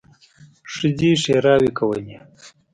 ښځې ښېراوې کولې.